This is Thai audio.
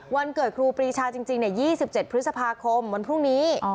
วันเกิดครูปรีชาจริง๒๗พฤษภาคมวันพรุ่งนี้